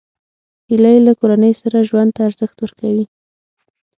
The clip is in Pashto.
هیلۍ له کورنۍ سره ژوند ته ارزښت ورکوي